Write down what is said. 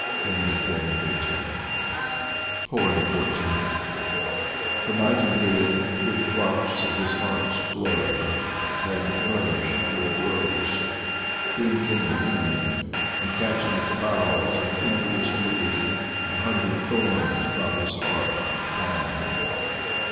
XIV THE nightingale with drops of his heart's blood Had nourished the red rose, then came a wind. And catching at the boughs in envious mood, A hundred thorns about his heart entwined.